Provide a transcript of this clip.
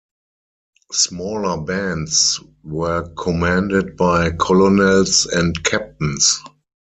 Smaller bands were commanded by colonels and captains.